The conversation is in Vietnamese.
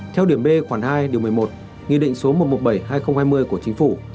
theo điểm b khoảng hai điều một mươi một nghị định số một trăm một mươi bảy hai nghìn hai mươi của chính phủ